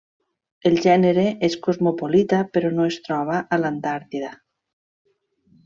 El gènere és cosmopolita però no es troba a l'Antàrtida.